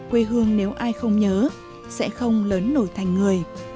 quê hương nếu ai không nhớ sẽ không lớn nổi thành người